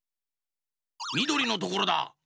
みどりのところだ。